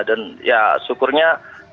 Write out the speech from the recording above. dan ya syukurnya